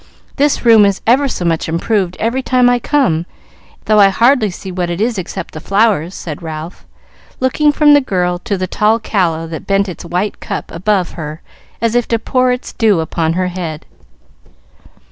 This room is ever so much improved every time I come, though I hardly see what it is except the flowers," said Ralph, looking from the girl to the tall calla that bent its white cup above her as if to pour its dew upon her head.